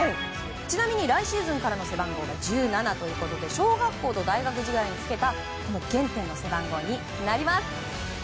ちなみに来シーズンからの背番号は１７ということで小学校と大学時代につけた原点の背番号になります。